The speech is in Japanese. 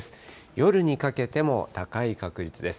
夜にかけても高い確率です。